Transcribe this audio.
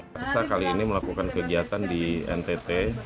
jt arsha kali ini melakukan kegiatan di ntt